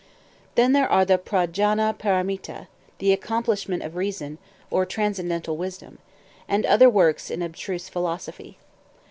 Then there are the "P'ra jana Para mita," (the "Accomplishment of Reason," or "Transcendental Wisdom,)" and other works in abstruse philosophy.